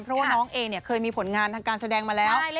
เพราะว่าน้องเองเนี่ยเคยมีผลงานทางการแสดงมาแล้ว